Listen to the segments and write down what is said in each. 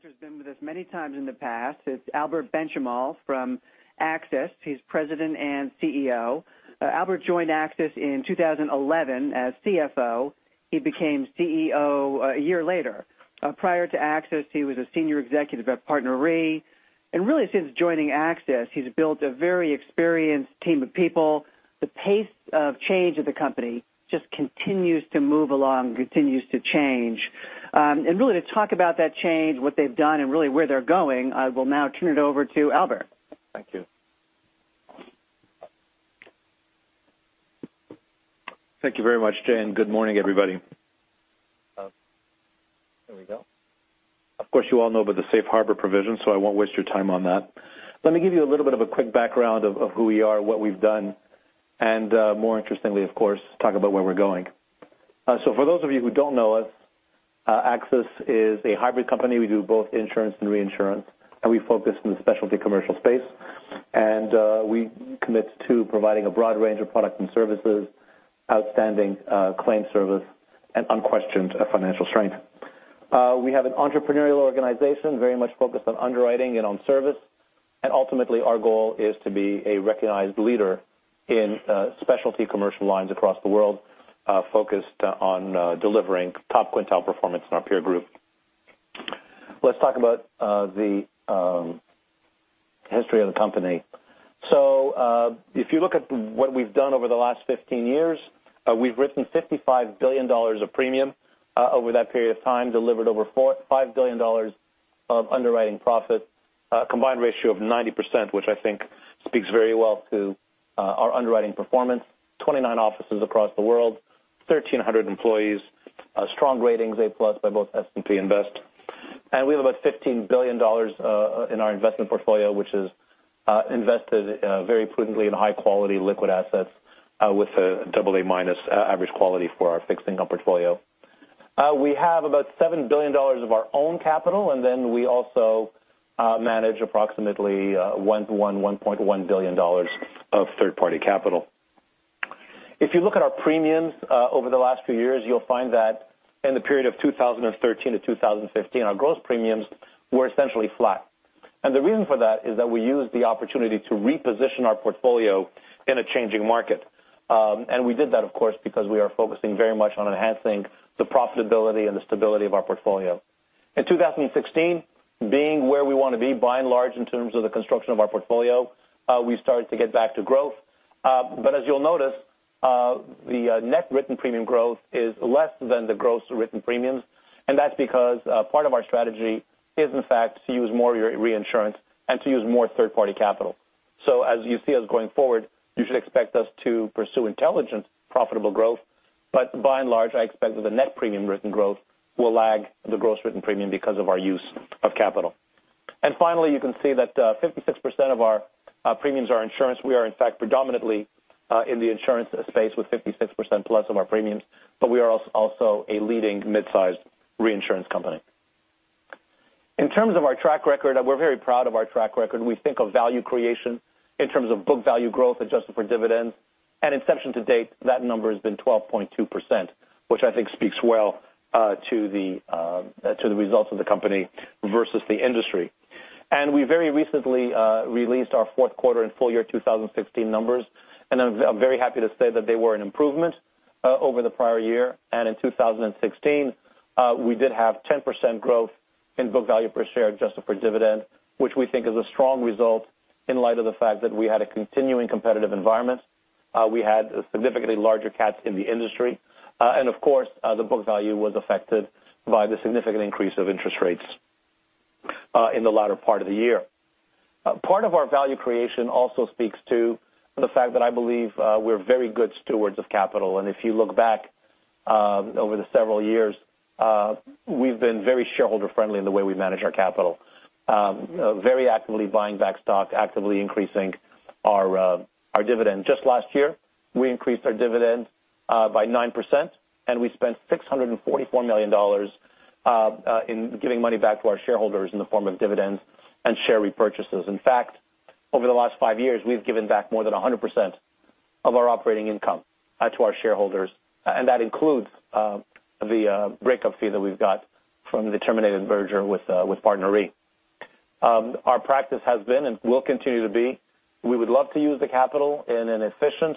This presenter has been with us many times in the past. It's Albert Benchimol from AXIS. He's President and CEO. Albert joined AXIS in 2011 as CFO. He became CEO a year later. Prior to AXIS, he was a senior executive at PartnerRe, and really since joining AXIS, he's built a very experienced team of people. The pace of change of the company just continues to move along, continues to change. Really to talk about that change, what they've done and really where they're going, I will now turn it over to Albert. Thank you. Thank you very much, Jane. Good morning, everybody. Here we go. Of course, you all know about the Safe Harbor provisions, so I won't waste your time on that. Let me give you a little bit of a quick background of who we are, what we've done, and more interestingly, of course, talk about where we're going. For those of you who don't know us, AXIS is a hybrid company. We do both insurance and reinsurance, and we focus in the specialty commercial space. We commit to providing a broad range of products and services, outstanding claim service, and unquestioned financial strength. We have an entrepreneurial organization, very much focused on underwriting and on service. Ultimately, our goal is to be a recognized leader in specialty commercial lines across the world, focused on delivering top quintile performance in our peer group. Let's talk about the history of the company. If you look at what we've done over the last 15 years, we've written $55 billion of premium over that period of time, delivered over $5 billion of underwriting profit, a combined ratio of 90%, which I think speaks very well to our underwriting performance. 29 offices across the world, 1,300 employees, strong ratings, A+ by both S&P and Best. We have about $15 billion in our investment portfolio, which is invested very prudently in high-quality liquid assets with a AA- average quality for our fixed income portfolio. We have about $7 billion of our own capital, and then we also manage approximately $1.1 billion of third-party capital. If you look at our premiums over the last few years, you'll find that in the period of 2013 to 2015, our gross premiums were essentially flat. The reason for that is that we used the opportunity to reposition our portfolio in a changing market. We did that, of course, because we are focusing very much on enhancing the profitability and the stability of our portfolio. In 2016, being where we want to be, by and large, in terms of the construction of our portfolio, we started to get back to growth. As you'll notice, the net written premium growth is less than the gross written premiums. That's because part of our strategy is in fact to use more reinsurance and to use more third-party capital. As you see us going forward, you should expect us to pursue intelligent, profitable growth. By and large, I expect that the net premium written growth will lag the gross written premium because of our use of capital. Finally, you can see that 56% of our premiums are insurance. We are, in fact, predominantly in the insurance space with 56% plus of our premiums, but we are also a leading mid-sized reinsurance company. In terms of our track record, we're very proud of our track record. We think of value creation in terms of book value growth adjusted for dividends. At inception to date, that number has been 12.2%, which I think speaks well to the results of the company versus the industry. We very recently released our fourth quarter and full-year 2016 numbers, and I'm very happy to say that they were an improvement over the prior year. In 2016, we did have 10% growth in book value per share adjusted for dividend, which we think is a strong result in light of the fact that we had a continuing competitive environment. We had significantly larger CATs in the industry, of course, the book value was affected by the significant increase of interest rates in the latter part of the year. Part of our value creation also speaks to the fact that I believe we're very good stewards of capital. If you look back over the several years, we've been very shareholder-friendly in the way we manage our capital. Very actively buying back stock, actively increasing our dividend. Just last year, we increased our dividend by 9%, and we spent $644 million in giving money back to our shareholders in the form of dividends and share repurchases. In fact, over the last five years, we've given back more than 100% of our operating income to our shareholders, and that includes the breakup fee that we've got from the terminated merger with PartnerRe. Our practice has been and will continue to be, we would love to use the capital in an efficient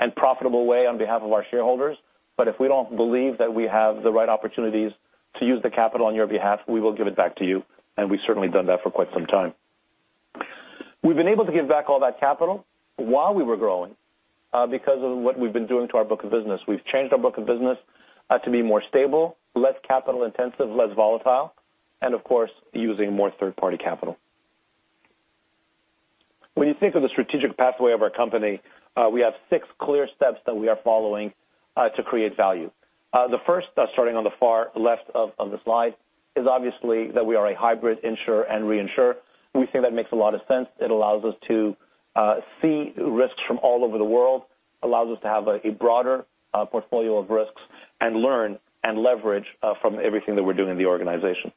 and profitable way on behalf of our shareholders, if we don't believe that we have the right opportunities to use the capital on your behalf, we will give it back to you, and we've certainly done that for quite some time. We've been able to give back all that capital while we were growing because of what we've been doing to our book of business. We've changed our book of business to be more stable, less capital-intensive, less volatile, and of course, using more third-party capital. When you think of the strategic pathway of our company, we have six clear steps that we are following to create value. The first, starting on the far left of the slide, is obviously that we are a hybrid insurer and reinsurer. We think that makes a lot of sense. It allows us to see risks from all over the world, allows us to have a broader portfolio of risks and learn and leverage from everything that we're doing in the organization.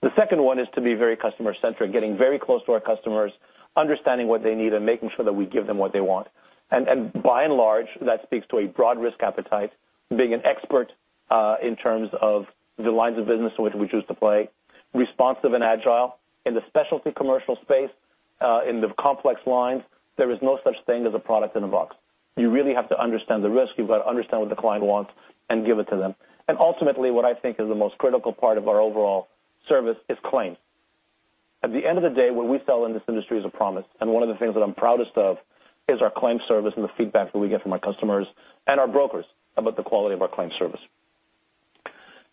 The second one is to be very customer-centric, getting very close to our customers, understanding what they need, and making sure that we give them what they want. By and large, that speaks to a broad risk appetite, being an expert in terms of the lines of business in which we choose to play, responsive and agile. In the specialty commercial space, in the complex lines, there is no such thing as a product in a box. You really have to understand the risk. You've got to understand what the client wants and give it to them. Ultimately, what I think is the most critical part of our overall service is claims. At the end of the day, what we sell in this industry is a promise, and one of the things that I'm proudest of is our claims service and the feedback that we get from our customers and our brokers about the quality of our claims service.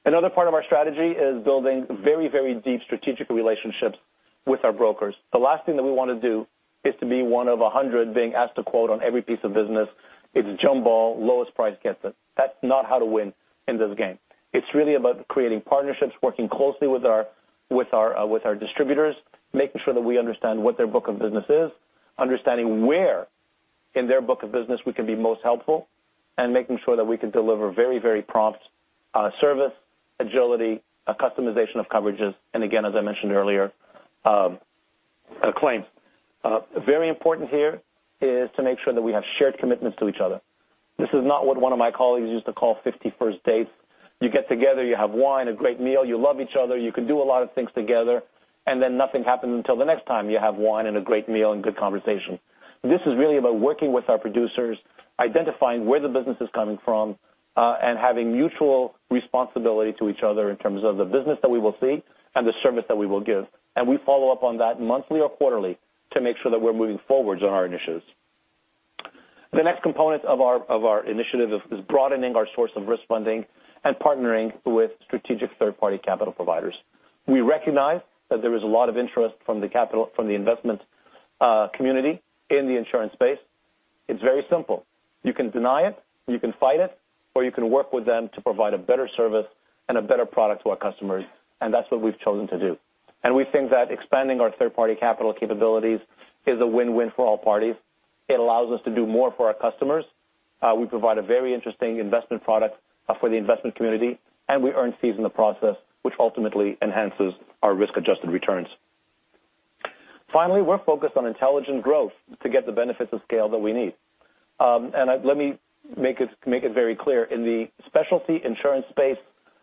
Another part of our strategy is building very, very deep strategic relationships with our brokers. The last thing that we want to do is to be one of 100 being asked to quote on every piece of business. It's a jumble, lowest price gets it. That's not how to win in this game. It's really about creating partnerships, working closely with our distributors, making sure that we understand what their book of business is, understanding where in their book of business we can be most helpful, and making sure that we can deliver very, very prompt service, agility, customization of coverages, and again, as I mentioned earlier, claims. Very important here is to make sure that we have shared commitments to each other. This is not what one of my colleagues used to call 51st dates. You get together, you have wine, a great meal. You love each other. You can do a lot of things together, and then nothing happens until the next time you have wine and a great meal and good conversation. This is really about working with our producers, identifying where the business is coming from, and having mutual responsibility to each other in terms of the business that we will see and the service that we will give. We follow up on that monthly or quarterly to make sure that we're moving forward on our initiatives. The next component of our initiative is broadening our source of risk funding and partnering with strategic third-party capital providers. We recognize that there is a lot of interest from the investment community in the insurance space. It's very simple. You can deny it, you can fight it, or you can work with them to provide a better service and a better product to our customers, and that's what we've chosen to do. We think that expanding our third-party capital capabilities is a win-win for all parties. It allows us to do more for our customers. We provide a very interesting investment product for the investment community, and we earn fees in the process, which ultimately enhances our risk-adjusted returns. Finally, we're focused on intelligent growth to get the benefits of scale that we need. Let me make it very clear. In the specialty insurance space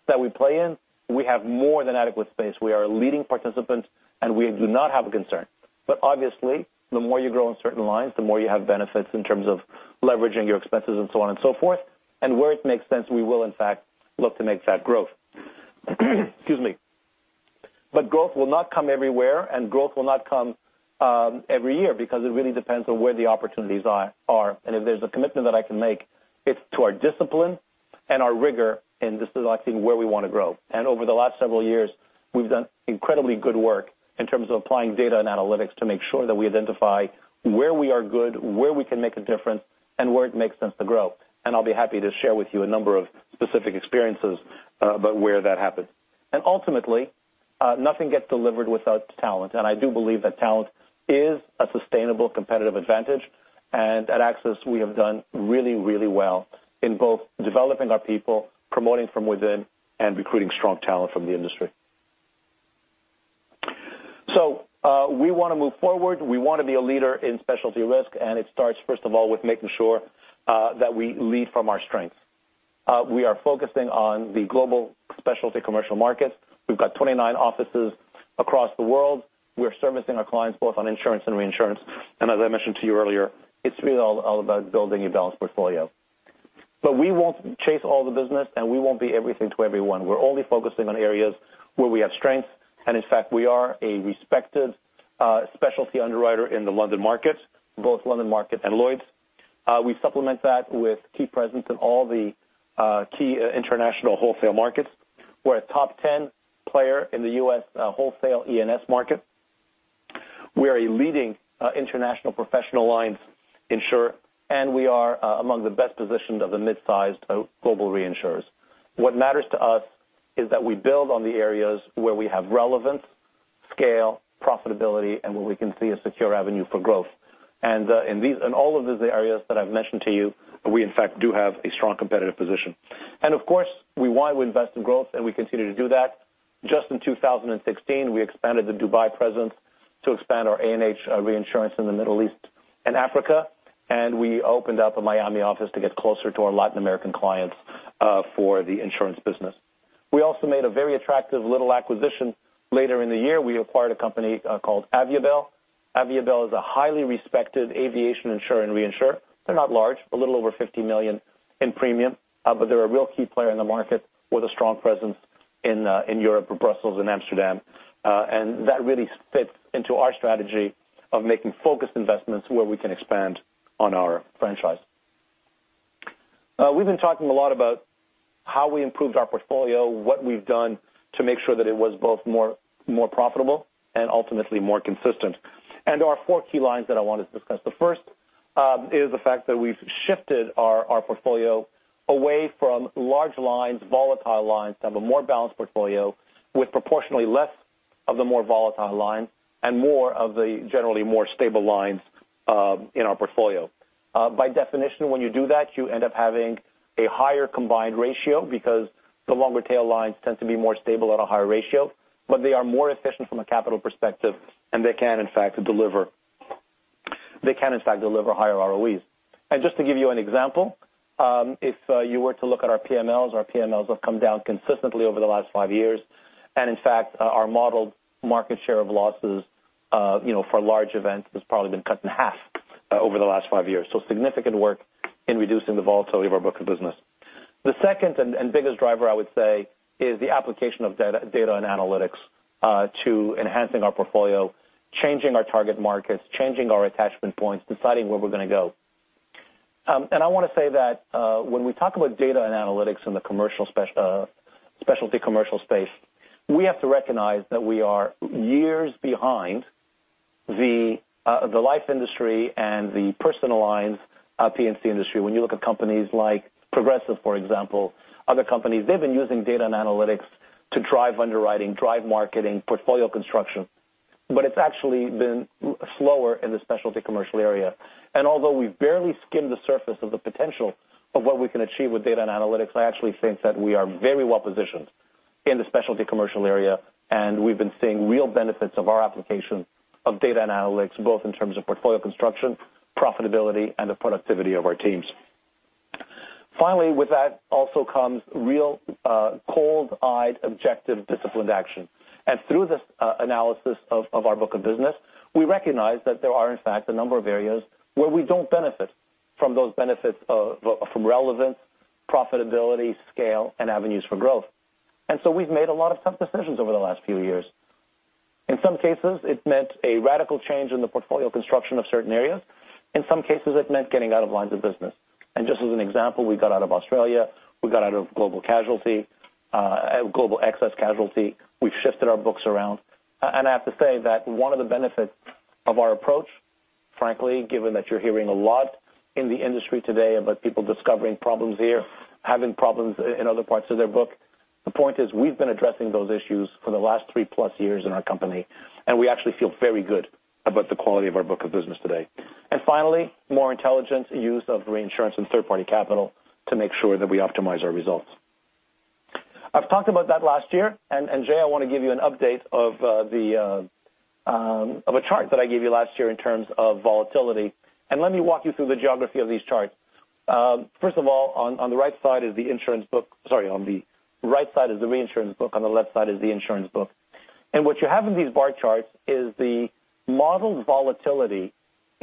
that we play in, we have more than adequate space. We are a leading participant, and we do not have a concern. Obviously, the more you grow in certain lines, the more you have benefits in terms of leveraging your expenses and so on and so forth. Where it makes sense, we will in fact look to make that growth. Excuse me. Growth will not come everywhere, and growth will not come every year because it really depends on where the opportunities are. If there's a commitment that I can make, it's to our discipline and our rigor in selecting where we want to grow. Over the last several years, we've done incredibly good work in terms of applying data and analytics to make sure that we identify where we are good, where we can make a difference, and where it makes sense to grow. I'll be happy to share with you a number of specific experiences about where that happens. Ultimately, nothing gets delivered without talent. I do believe that talent is a sustainable competitive advantage. At AXIS, we have done really, really well in both developing our people, promoting from within, and recruiting strong talent from the industry. We want to move forward. We want to be a leader in specialty risk, it starts first of all with making sure that we lead from our strengths. We are focusing on the global specialty commercial markets. We've got 29 offices across the world. We are servicing our clients both on insurance and reinsurance. As I mentioned to you earlier, it's really all about building a balanced portfolio. We won't chase all the business, and we won't be everything to everyone. We're only focusing on areas where we have strength, and in fact, we are a respected specialty underwriter in the London market, both London market and Lloyd's. We supplement that with key presence in all the key international wholesale markets. We're a top 10 player in the U.S. wholesale E&S market. We are a leading international professional lines insurer, and we are among the best positioned of the mid-sized global reinsurers. What matters to us is that we build on the areas where we have relevance, scale, profitability, and where we can see a secure avenue for growth. In all of the areas that I've mentioned to you, we in fact do have a strong competitive position. Of course, we want to invest in growth, and we continue to do that. Just in 2016, we expanded the Dubai presence to expand our A&H reinsurance in the Middle East and Africa, and we opened up a Miami office to get closer to our Latin American clients for the insurance business. We also made a very attractive little acquisition later in the year. We acquired a company called Aviabel. Aviabel is a highly respected aviation insurer and reinsurer. They're not large, a little over $50 million in premium. They're a real key player in the market with a strong presence in Europe, or Brussels, and Amsterdam. That really fits into our strategy of making focused investments where we can expand on our franchise. We've been talking a lot about how we improved our portfolio, what we've done to make sure that it was both more profitable and ultimately more consistent. Our four key lines that I wanted to discuss. The first is the fact that we've shifted our portfolio away but they are more efficient from a capital perspective, and they can in fact deliver higher ROEs. Just to give you an example, if you were to look at our PMLs, our PMLs have come down consistently over the last five years. In fact, our modeled market share of losses for large events has probably been cut in half over the last five years. Significant work in reducing the volatility of our book of business. The second and biggest driver, I would say, is the application of data and analytics to enhancing our portfolio, changing our target markets, changing our attachment points, deciding where we're going to go. I want to say that when we talk about data and analytics in the specialty commercial space, we have to recognize that we are years behind the life industry and the personal lines P&C industry. When you look at companies like Progressive, for example, other companies, they've been using data and analytics to drive underwriting, drive marketing, portfolio construction, it's actually been slower in the specialty commercial area. Although we've barely skimmed the surface of the potential of what we can achieve with data and analytics, I actually think that we are very well positioned in the specialty commercial area, and we've been seeing real benefits of our application of data and analytics, both in terms of portfolio construction, profitability, and the productivity of our teams. Finally, with that also comes real cold-eyed, objective, disciplined action. Through this analysis of our book of business, we recognize that there are, in fact, a number of areas where we don't benefit from those benefits from relevance, profitability, scale, and avenues for growth. We've made a lot of tough decisions over the last few years. In some cases, it meant a radical change in the portfolio construction of certain areas. In some cases, it meant getting out of lines of business. Just as an example, we got out of Australia, we got out of global excess casualty. We've shifted our books around. I have to say that one of the benefits of our approach, frankly, given that you're hearing a lot in the industry today about people discovering problems here, having problems in other parts of their book, the point is we've been addressing those issues for the last three-plus years in our company, and we actually feel very good about the quality of our book of business today. Finally, more intelligent use of reinsurance and third-party capital to make sure that we optimize our results. I've talked about that last year, and Jay, I want to give you an update of a chart that I gave you last year in terms of volatility. Let me walk you through the geography of these charts. First of all, on the right side is the reinsurance book. On the left side is the insurance book. What you have in these bar charts is the modeled volatility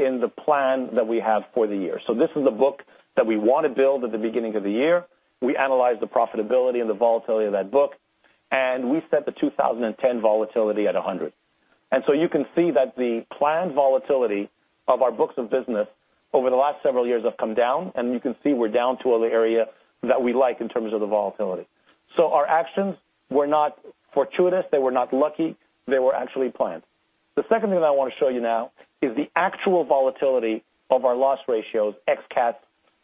in the plan that we have for the year. This is a book that we want to build at the beginning of the year. We analyze the profitability and the volatility of that book, and we set the 2010 volatility at 100. You can see that the planned volatility of our books of business over the last several years have come down, and you can see we're down to the area that we like in terms of the volatility. Our actions were not fortuitous. They were not lucky. They were actually planned. The second thing that I want to show you now is the actual volatility of our loss ratios ex CATs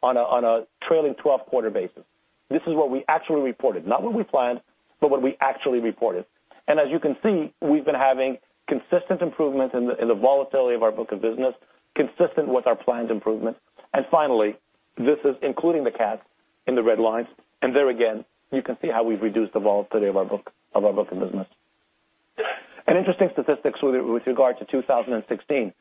on a trailing 12-quarter basis. This is what we actually reported, not what we planned, but what we actually reported. As you can see, we've been having consistent improvement in the volatility of our book of business, consistent with our planned improvement. Finally, this is including the CATs in the red lines. There again, you can see how we've reduced the volatility of our book of business. An interesting statistic with regard to 2016.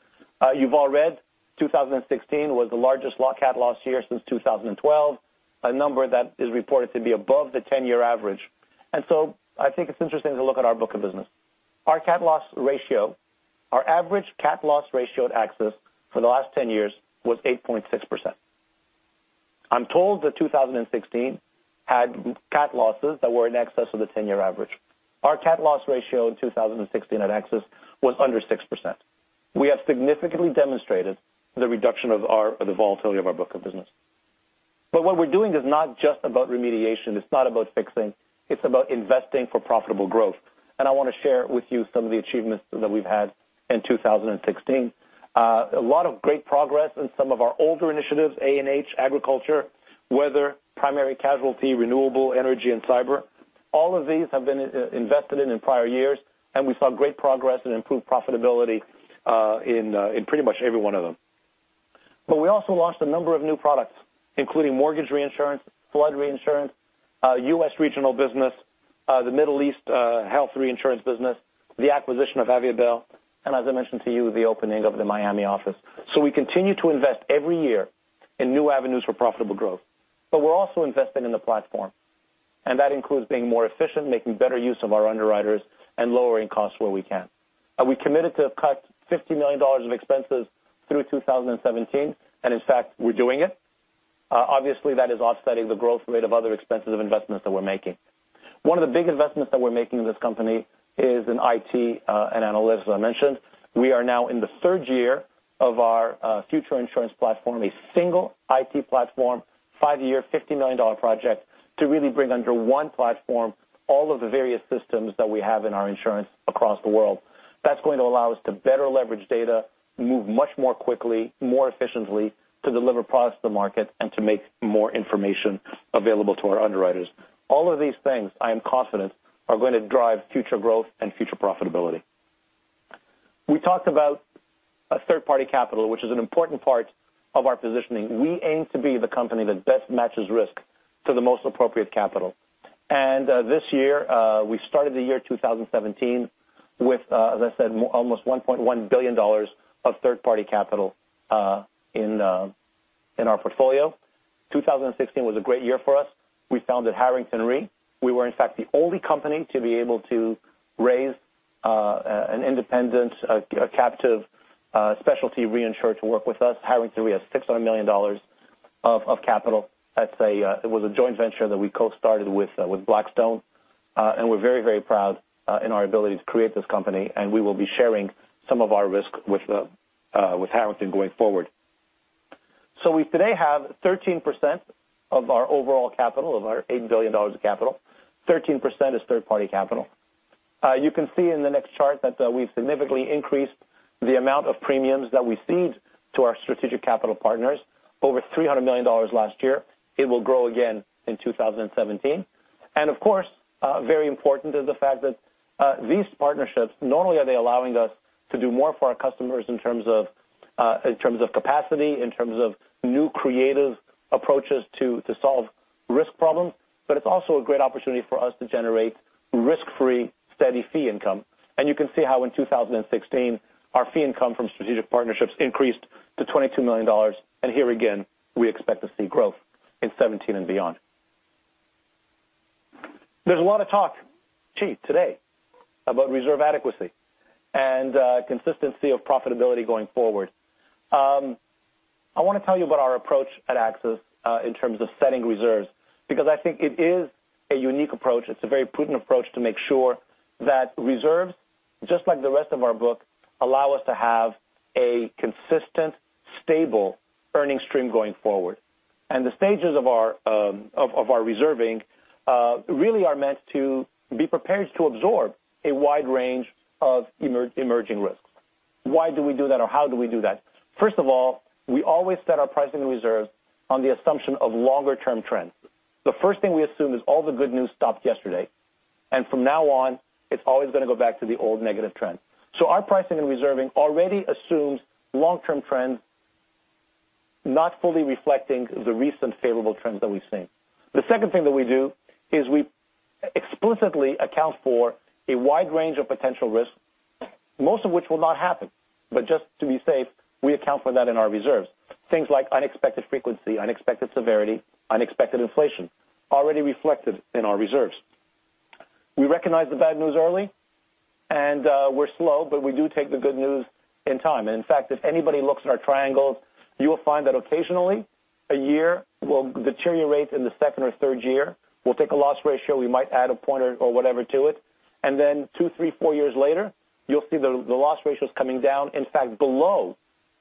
You've all read 2016 was the largest CAT loss year since 2012, a number that is reported to be above the 10-year average. I think it's interesting to look at our book of business. Our average CAT loss ratio at AXIS for the last 10 years was 8.6%. I'm told that 2016 had CAT losses that were in excess of the 10-year average. Our CAT loss ratio in 2016 at AXIS was under 6%. We have significantly demonstrated the reduction of the volatility of our book of business. What we're doing is not just about remediation. It's not about fixing. It's about investing for profitable growth. I want to share with you some of the achievements that we've had in 2016. A lot of great progress in some of our older initiatives, A&H, agriculture, weather, primary casualty, renewable energy, and Cyber. All of these have been invested in in prior years, and we saw great progress and improved profitability in pretty much every one of them. We also launched a number of new products, including Mortgage Reinsurance, flood reinsurance, U.S. regional business, the Middle East health reinsurance business, the acquisition of Aviabel, and as I mentioned to you, the opening of the Miami office. We continue to invest every year in new avenues for profitable growth. We're also investing in the platform, and that includes being more efficient, making better use of our underwriters, and lowering costs where we can. We committed to cut $50 million of expenses through 2017, and in fact, we're doing it. Obviously, that is offsetting the growth rate of other expenses of investments that we're making. One of the big investments that we're making in this company is in IT and analytics, as I mentioned. We are now in the third year of our Future Insurance Platform, a single IT platform, five-year, $50 million project to really bring under one platform all of the various systems that we have in our insurance across the world. That's going to allow us to better leverage data, move much more quickly, more efficiently to deliver products to the market, and to make more information available to our underwriters. All of these things, I am confident, are going to drive future growth and future profitability. We talked about third-party capital, which is an important part of our positioning. We aim to be the company that best matches risk to the most appropriate capital. This year, we started the year 2017 with, as I said, almost $1.1 billion of third-party capital in our portfolio. 2016 was a great year for us. We founded Harrington Re. We were, in fact, the only company to be able to raise an independent captive specialty reinsurer to work with us. Harrington Re has $600 million of capital. It was a joint venture that we co-started with Blackstone. We're very, very proud in our ability to create this company, and we will be sharing some of our risk with Harrington going forward. We today have 13% of our overall capital, of our $8 billion of capital. 13% is third-party capital. You can see in the next chart that we've significantly increased the amount of premiums that we cede to our strategic capital partners. Over $300 million last year. It will grow again in 2017. Of course, very important is the fact that these partnerships, not only are they allowing us to do more for our customers in terms of capacity, in terms of new creative approaches to solve risk problems, but it's also a great opportunity for us to generate risk-free steady fee income. You can see how in 2016, our fee income from strategic partnerships increased to $22 million. Here again, we expect to see growth in 2017 and beyond. There's a lot of talk today about reserve adequacy and consistency of profitability going forward. I want to tell you about our approach at AXIS in terms of setting reserves, because I think it is a unique approach. It's a very prudent approach to make sure that reserves, just like the rest of our book, allow us to have a consistent, stable earning stream going forward. The stages of our reserving really are meant to be prepared to absorb a wide range of emerging risks. Why do we do that, or how do we do that? First of all, we always set our pricing reserves on the assumption of longer-term trends. The first thing we assume is all the good news stopped yesterday, and from now on, it's always going to go back to the old negative trend. Our pricing and reserving already assumes long-term trends, not fully reflecting the recent favorable trends that we've seen. The second thing that we do is we explicitly account for a wide range of potential risks, most of which will not happen. Just to be safe, we account for that in our reserves. Things like unexpected frequency, unexpected severity, unexpected inflation, already reflected in our reserves. We recognize the bad news early, and we're slow, but we do take the good news in time. In fact, if anybody looks at our triangles, you will find that occasionally a year will deteriorate in the second or third year. We'll take a loss ratio, we might add a point or whatever to it, and then two, three, four years later, you'll see the loss ratios coming down, in fact, below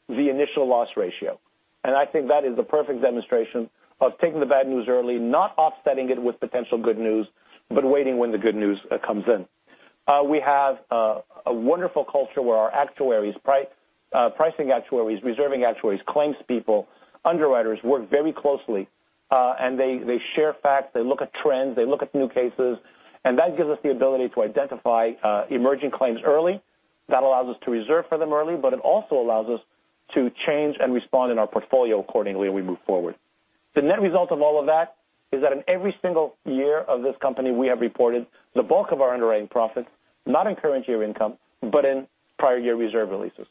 the initial loss ratio. I think that is the perfect demonstration of taking the bad news early, not offsetting it with potential good news, but waiting when the good news comes in. We have a wonderful culture where our pricing actuaries, reserving actuaries, claims people, underwriters work very closely, and they share facts, they look at trends, they look at new cases, and that gives us the ability to identify emerging claims early. That allows us to reserve for them early, but it also allows us to change and respond in our portfolio accordingly as we move forward. The net result of all of that is that in every single year of this company, we have reported the bulk of our underwriting profits, not in current year income, but in prior year reserve releases.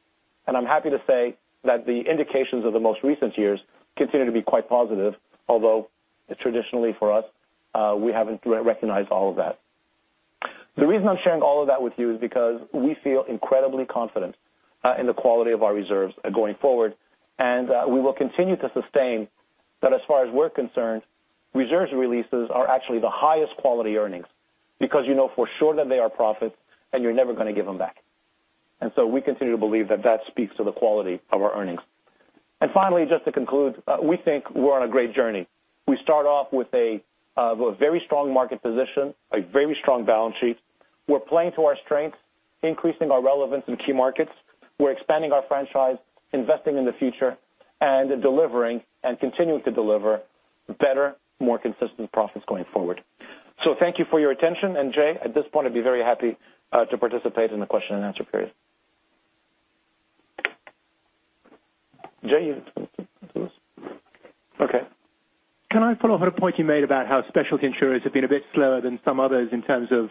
I'm happy to say that the indications of the most recent years continue to be quite positive, although traditionally for us, we haven't recognized all of that. The reason I'm sharing all of that with you is because we feel incredibly confident in the quality of our reserves going forward, and we will continue to sustain that as far as we're concerned, reserves releases are actually the highest quality earnings because you know for sure that they are profit and you're never going to give them back. So we continue to believe that that speaks to the quality of our earnings. Finally, just to conclude, we think we're on a great journey. We start off with a very strong market position, a very strong balance sheet. We're playing to our strengths, increasing our relevance in key markets. We're expanding our franchise, investing in the future, and delivering and continuing to deliver better, more consistent profits going forward. Thank you for your attention. Jay, at this point, I'd be very happy to participate in the question and answer period. Jay? Okay. Can I follow up on a point you made about how specialty insurers have been a bit slower than some others in terms of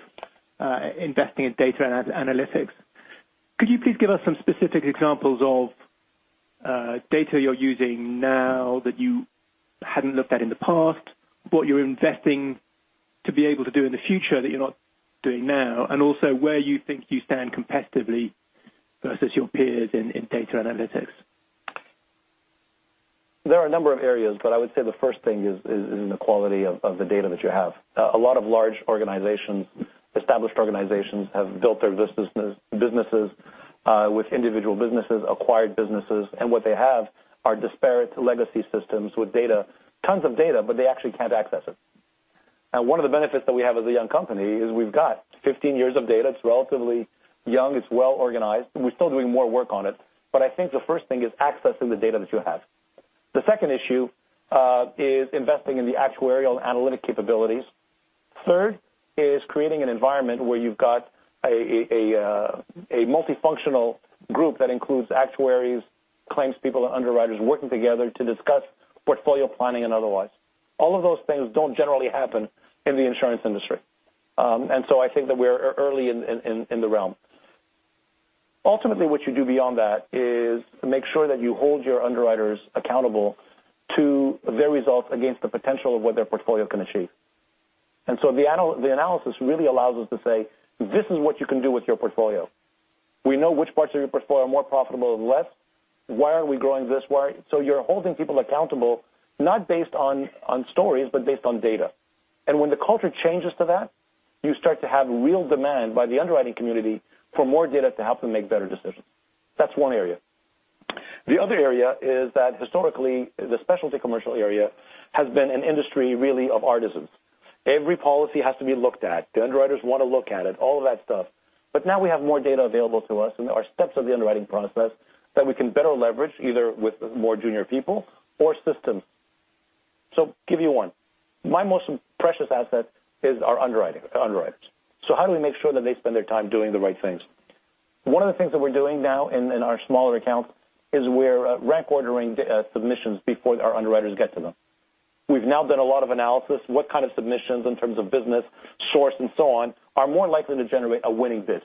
investing in data analytics? Could you please give us some specific examples of data you're using now that you hadn't looked at in the past, what you're investing to be able to do in the future that you're not doing now, and also where you think you stand competitively versus your peers in data analytics? There are a number of areas, I would say the first thing is in the quality of the data that you have. A lot of large organizations, established organizations, have built their businesses with individual businesses, acquired businesses, and what they have are disparate legacy systems with data, tons of data, but they actually can't access it. Now, one of the benefits that we have as a young company is we've got 15 years of data. It's relatively young. It's well organized. We're still doing more work on it. I think the first thing is accessing the data that you have. The second issue is investing in the actuarial analytic capabilities. Third is creating an environment where you've got a multifunctional group that includes actuaries Claims people and underwriters working together to discuss portfolio planning and otherwise. All of those things don't generally happen in the insurance industry. I think that we're early in the realm. Ultimately, what you do beyond that is make sure that you hold your underwriters accountable to their results against the potential of what their portfolio can achieve. The analysis really allows us to say, "This is what you can do with your portfolio. We know which parts of your portfolio are more profitable and less. Why are we growing this way?" You're holding people accountable, not based on stories, but based on data. When the culture changes to that, you start to have real demand by the underwriting community for more data to help them make better decisions. That's one area. The other area is that historically, the specialty commercial area has been an industry really of artisans. Every policy has to be looked at. The underwriters want to look at it, all of that stuff. Now we have more data available to us and there are steps of the underwriting process that we can better leverage either with more junior people or systems. Give you one. My most precious asset is our underwriters. How do we make sure that they spend their time doing the right things? One of the things that we're doing now in our smaller accounts is we're rank ordering submissions before our underwriters get to them. We've now done a lot of analysis, what kind of submissions in terms of business source and so on are more likely to generate a winning bid.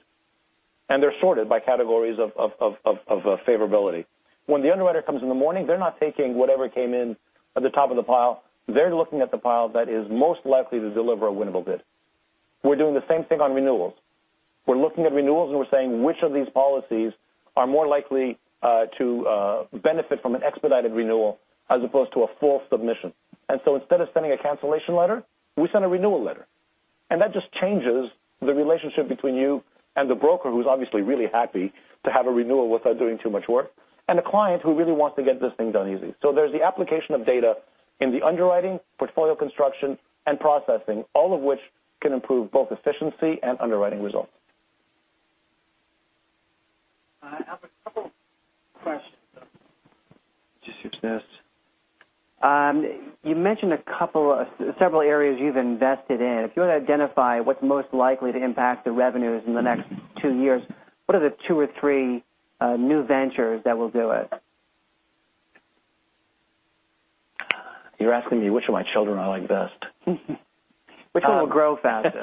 They're sorted by categories of favorability. When the underwriter comes in the morning, they're not taking whatever came in at the top of the pile. They're looking at the pile that is most likely to deliver a winnable bid. We're doing the same thing on renewals. We're looking at renewals, and we're saying which of these policies are more likely to benefit from an expedited renewal as opposed to a full submission. Instead of sending a cancellation letter, we send a renewal letter. That just changes the relationship between you and the broker who's obviously really happy to have a renewal without doing too much work, and a client who really wants to get this thing done easy. There's the application of data in the underwriting, portfolio construction, and processing, all of which can improve both efficiency and underwriting results. I have a couple questions. You mentioned several areas you've invested in. If you were to identify what's most likely to impact the revenues in the next two years, what are the two or three new ventures that will do it? You're asking me which of my children I like best. Which one will grow fastest?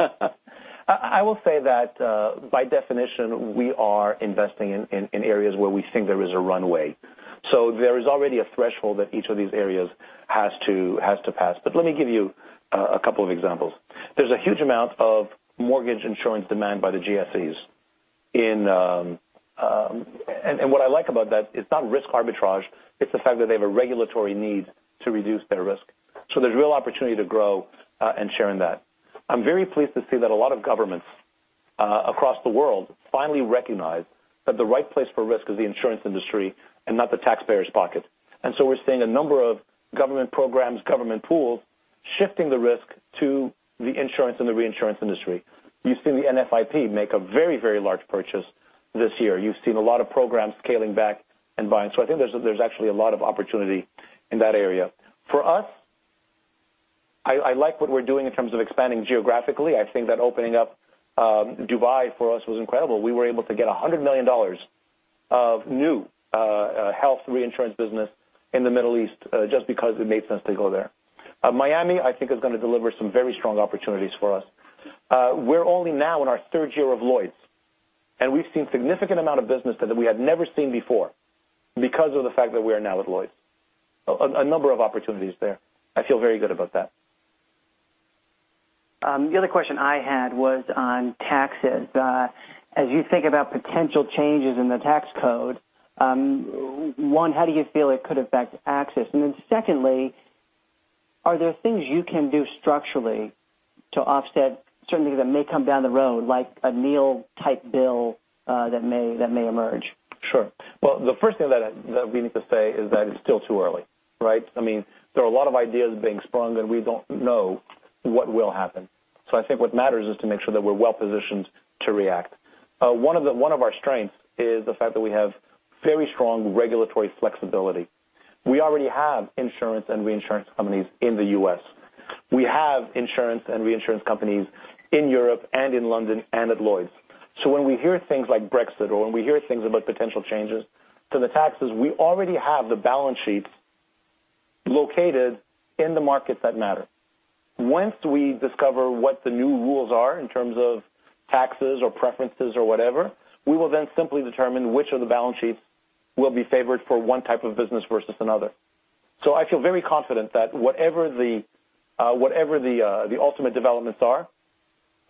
I will say that by definition, we are investing in areas where we think there is a runway. There is already a threshold that each of these areas has to pass. Let me give you a couple of examples. There's a huge amount of mortgage insurance demand by the GSEs. What I like about that, it's not risk arbitrage, it's the fact that they have a regulatory need to reduce their risk. There's real opportunity to grow and share in that. I'm very pleased to see that a lot of governments across the world finally recognize that the right place for risk is the insurance industry and not the taxpayers' pocket. We're seeing a number of government programs, government pools, shifting the risk to the insurance and the reinsurance industry. You've seen the NFIP make a very large purchase this year. You've seen a lot of programs scaling back and buying. I think there's actually a lot of opportunity in that area. For us, I like what we're doing in terms of expanding geographically. I think that opening up Dubai for us was incredible. We were able to get $100 million of new health reinsurance business in the Middle East just because it made sense to go there. Miami, I think, is going to deliver some very strong opportunities for us. We're only now in our third year of Lloyd's, and we've seen significant amount of business that we had never seen before because of the fact that we are now with Lloyd's. A number of opportunities there. I feel very good about that. The other question I had was on taxes. As you think about potential changes in the tax code, one, how do you feel it could affect AXIS? Secondly, are there things you can do structurally to offset certain things that may come down the road, like a Neal type bill that may emerge? Sure. The first thing that we need to say is that it's still too early, right? There are a lot of ideas being sprung, and we don't know what will happen. I think what matters is to make sure that we're well-positioned to react. One of our strengths is the fact that we have very strong regulatory flexibility. We already have insurance and reinsurance companies in the U.S. We have insurance and reinsurance companies in Europe and in London and at Lloyd's. When we hear things like Brexit or when we hear things about potential changes to the taxes, we already have the balance sheets located in the markets that matter. Once we discover what the new rules are in terms of taxes or preferences or whatever, we will then simply determine which of the balance sheets will be favored for one type of business versus another. I feel very confident that whatever the ultimate developments are,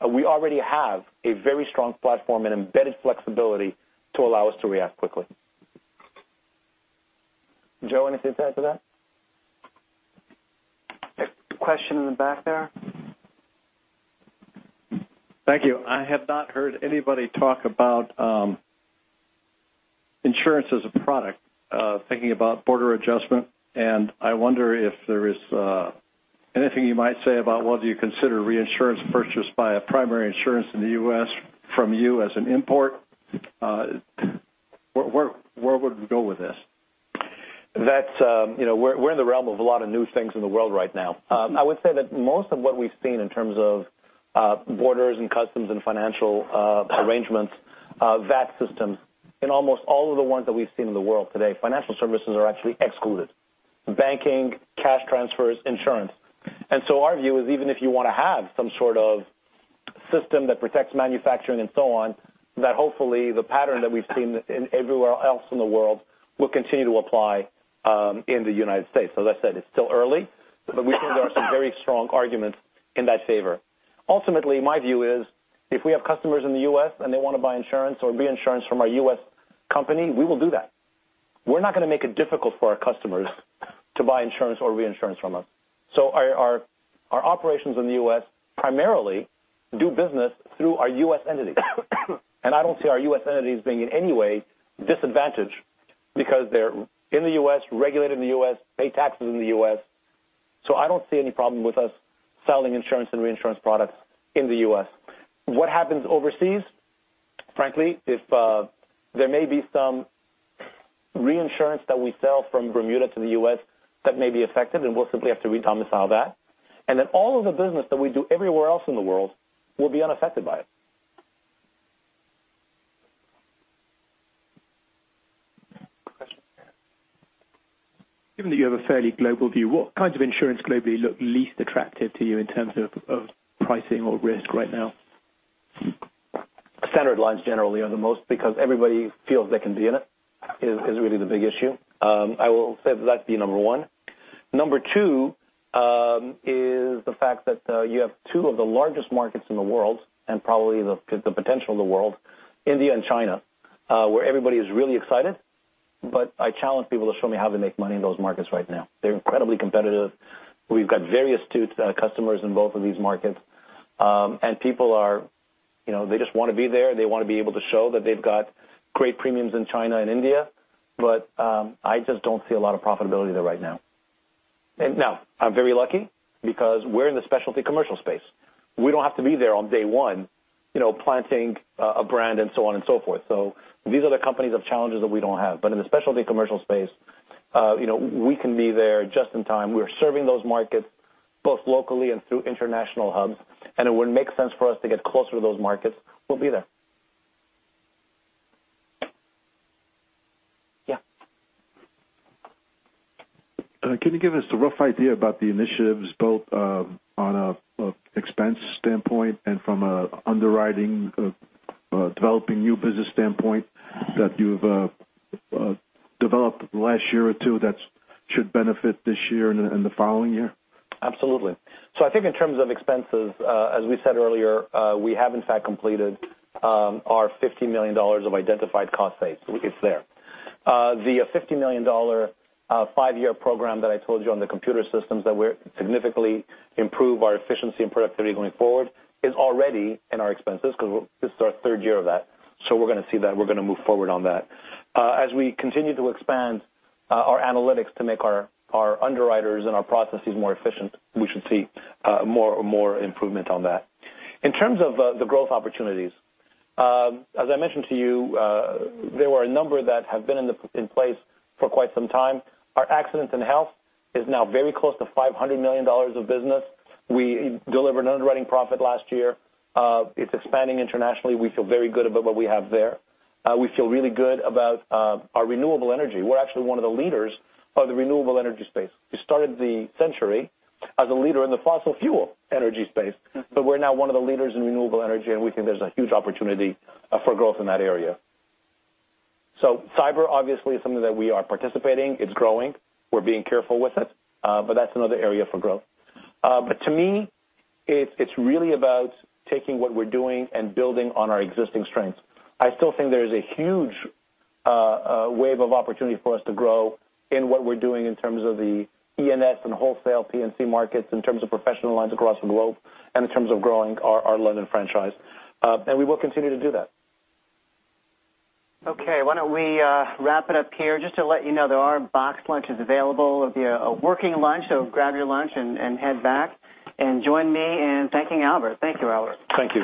we already have a very strong platform and embedded flexibility to allow us to react quickly. Joe, anything to add to that? A question in the back there. Thank you. I have not heard anybody talk about insurance as a product thinking about border adjustment, and I wonder if there is anything you might say about whether you consider reinsurance purchased by a primary insurance in the U.S. from you as an import. Where would we go with this? That we're in the realm of a lot of new things in the world right now. I would say that most of what we've seen in terms of borders and customs and financial arrangements, VAT systems, in almost all of the ones that we've seen in the world today, financial services are actually excluded. Banking, cash transfers, insurance. Our view is even if you want to have some sort of system that protects manufacturing and so on, that hopefully the pattern that we've seen everywhere else in the world will continue to apply, in the United States. As I said, it's still early, but we think there are some very strong arguments in that favor. Ultimately, my view is, if we have customers in the U.S. and they want to buy insurance or reinsurance from our U.S. company, we will do that. We're not going to make it difficult for our customers to buy insurance or reinsurance from us. Our operations in the U.S. primarily do business through our U.S. entities. I don't see our U.S. entities being in any way disadvantaged because they're in the U.S., regulated in the U.S., pay taxes in the U.S. I don't see any problem with us selling insurance and reinsurance products in the U.S. What happens overseas, frankly, if there may be some reinsurance that we sell from Bermuda to the U.S. that may be affected, and we'll simply have to re-domicile that. All of the business that we do everywhere else in the world will be unaffected by it. Given that you have a fairly global view, what kinds of insurance globally look least attractive to you in terms of pricing or risk right now? Standard lines generally are the most because everybody feels they can be in it, is really the big issue. I will say that's the number one. Number two, is the fact that you have two of the largest markets in the world, and probably the potential in the world, India and China, where everybody is really excited. I challenge people to show me how they make money in those markets right now. They're incredibly competitive. We've got very astute customers in both of these markets. People just want to be there. They want to be able to show that they've got great premiums in China and India. I just don't see a lot of profitability there right now. Now, I'm very lucky because we're in the specialty commercial space. We don't have to be there on day one planting a brand and so on and so forth. These other companies have challenges that we don't have. In the specialty commercial space, we can be there just in time. We're serving those markets both locally and through international hubs, it would make sense for us to get closer to those markets. We'll be there. Yeah. Can you give us a rough idea about the initiatives, both on a expense standpoint and from a underwriting, developing new business standpoint that you've developed the last year or two that should benefit this year and the following year? Absolutely. I think in terms of expenses, as we said earlier, we have in fact completed our $50 million of identified cost saves. It's there. The $50 million, five-year program that I told you on the computer systems that will significantly improve our efficiency and productivity going forward is already in our expenses because this is our third year of that. We're going to see that, we're going to move forward on that. As we continue to expand our analytics to make our underwriters and our processes more efficient, we should see more improvement on that. In terms of the growth opportunities, as I mentioned to you, there were a number that have been in place for quite some time. Our Accident and Health is now very close to $500 million of business. We delivered underwriting profit last year. It's expanding internationally. We feel very good about what we have there. We feel really good about our renewable energy. We're actually one of the leaders of the renewable energy space. We started the century as a leader in the fossil fuel energy space, but we're now one of the leaders in renewable energy, and we think there's a huge opportunity for growth in that area. Cyber obviously is something that we are participating. It's growing. We're being careful with it. That's another area for growth. To me, it's really about taking what we're doing and building on our existing strengths. I still think there is a huge wave of opportunity for us to grow in what we're doing in terms of the E&S and wholesale P&C markets, in terms of professional lines across the globe, and in terms of growing our London franchise. We will continue to do that. Okay. Why don't we wrap it up here. Just to let you know there are boxed lunches available. It'll be a working lunch, so grab your lunch and head back and join me in thanking Albert. Thank you, Albert. Thank you.